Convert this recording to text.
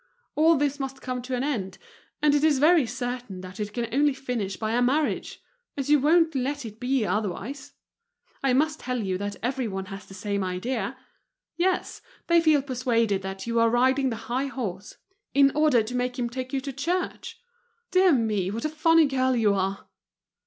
All this must come to an end, and it is very certain that it can only finish by a marriage, as you won't let it be otherwise. I must tell you that everyone has the same idea; yes, they feel persuaded that you are riding the high horse, in order to make him take you to church. Dear me! what a funny girl you are!"